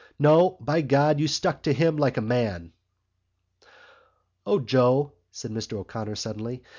No, by God, you stuck to him like a man!" "O, Joe," said Mr O'Connor suddenly.